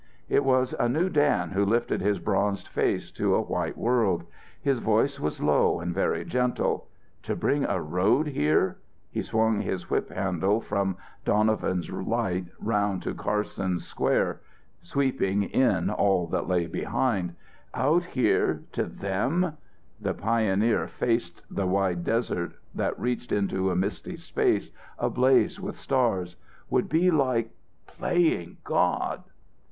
It was a new Dan who lifted his bronzed face to a white world. His voice was low and very gentle. "To bring a road here," he swung his whip handle from Donovan's light around to Carson's square, sweeping in all that lay behind, "out here to them " The pioneer faced the wide desert that reached into a misty space ablaze with stars, "would be like playing God!"